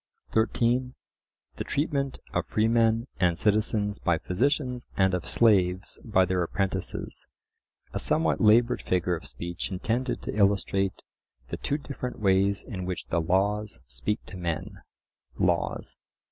(13) the treatment of freemen and citizens by physicians and of slaves by their apprentices,—a somewhat laboured figure of speech intended to illustrate the two different ways in which the laws speak to men (Laws).